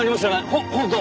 ほ本当。